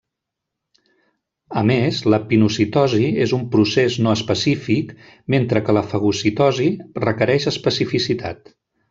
A més, la pinocitosi és un procés no específic mentre que la fagocitosi requereix especificitat.